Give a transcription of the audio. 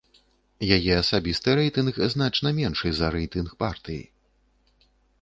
Яе асабісты рэйтынг значна меншы за рэйтынг партыі.